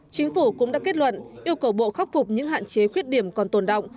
chính phủ cũng đã kết luận yêu cầu bộ khắc phục những hạn chế khuyết điểm còn tồn động